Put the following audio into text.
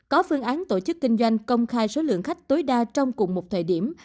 có phương án tổ chức kinh doanh công khai số lượng khách tối đa trong cùng một thời điểm